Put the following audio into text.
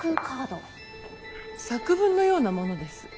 作文のようなものです。